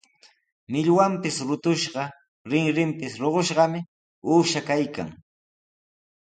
Millwanpis rutushqa, rinrinpis ruqushqami uusha kaykan.